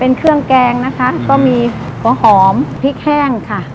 เป็นเครื่องแกงนะคะก็มีหัวหอมพริกแห้งค่ะ